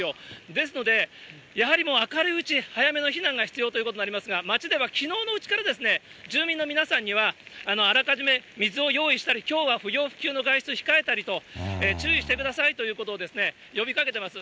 ですので、やはりもう、明るいうち、早めの避難が必要ということになりますが、町ではきのうのうちから住民の皆さんには、あらかじめ水を用意したり、きょうは不要不急の外出控えたりと、注意してくださいということで、呼びかけてます。